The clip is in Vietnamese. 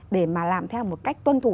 để mà làm theo một cách tuân thủ